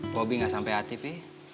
bobi gak sampai hati pi